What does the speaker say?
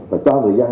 và cho người dân